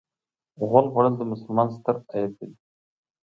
غول خوړل د مسلمان ستر عیب دی.